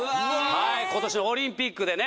はい今年オリンピックでね